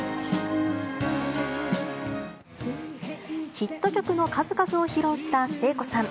ヒット曲の数々を披露した聖子さん。